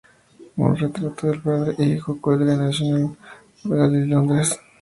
Un retrato de padre e hijo cuelga en la National Portrait Gallery de Londres.